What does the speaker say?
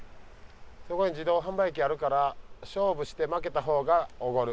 そこに自動販売機あるから勝負して負けた方がおごる。